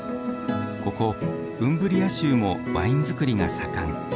ここウンブリア州もワイン造りが盛ん。